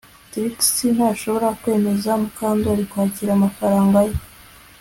Trix ntashobora kwemeza Mukandoli kwakira amafaranga ye